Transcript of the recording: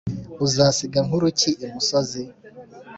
uzasiga nkuru ki imusozi?